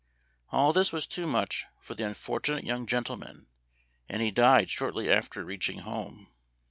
All this was too much for the unfortunate young gentleman, and he died shortly after reaching home.